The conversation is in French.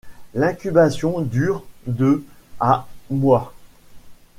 L'incubation dure de à mois.